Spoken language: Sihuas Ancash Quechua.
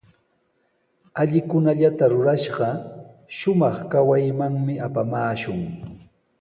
Allikunallata rurashqa, shumaq kawaymanmi apamaashun.